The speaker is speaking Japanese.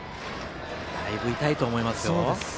だいぶ痛いと思いますよ。